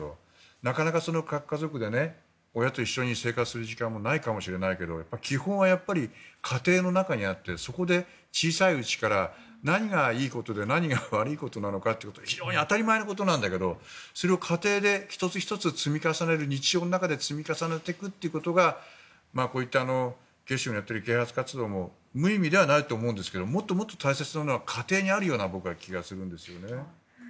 なかなか核家族で親と一緒に生活する時間はないかもしれないけど、基本は家庭の中にあってそこで小さいうちから何がいいことで何が悪いことなのかを当たり前のことだけど家庭で１つ１つ日常の中で積み重ねていくことが啓発活動も無意味ではないと思うんですがもっともっと大切なのは家庭にあるような気がするんです。